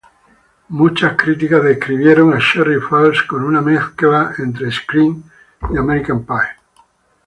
Muchas críticas describieron a "Cherry Falls" con una mezcla entre "Scream" y "American Pie".